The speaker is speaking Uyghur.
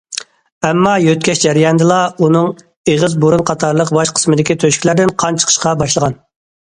ئەمما يۆتكەش جەريانىدىلا ئۇنىڭ ئېغىز بۇرۇن قاتارلىق باش قىسمىدىكى تۆشۈكلەردىن قان چىقىشقا باشلىغان.